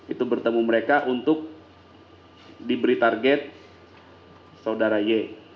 itu bertemu mereka untuk diberi target saudara y